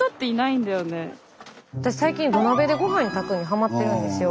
私最近土鍋でごはん炊くのハマってるんですよ。